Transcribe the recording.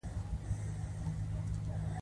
نه په غېږ کي د ځنګله سوای ګرځیدلای